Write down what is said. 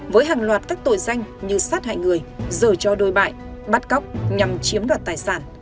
với hàng loạt các tội danh như sát hại người rửa cho đôi bại bắt cóc nhằm chiếm đoạt tài sản